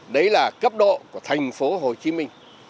đấy là cấp độ của thành phố hồ chí minh